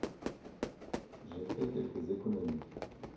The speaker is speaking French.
J’ai fait quelques économies…